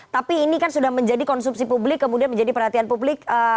tapi ini kan sudah menjadi konsumsi publik kemudian menjadi perhatian publik